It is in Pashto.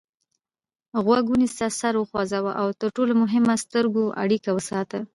غوږ ونیسه سر وخوځوه او تر ټولو مهمه د سترګو اړیکه وساته.